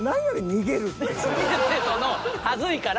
逃げてその恥ずいから。